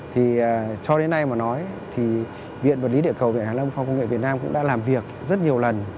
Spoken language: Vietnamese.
thì cho đến nay mà nói thì viện vật lý địa cầu việt nam cũng đã làm việc rất nhiều lần